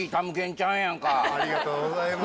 ちゃんありがとうございます